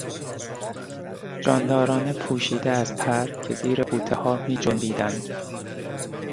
جانداران پوشیده از پر که زیر بوتهها میجنبیدند